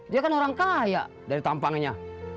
dia kan orang kaya dari tampangnya